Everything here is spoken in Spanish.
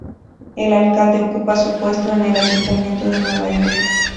El alcalde ocupa su puesto en el Ayuntamiento de Nueva York.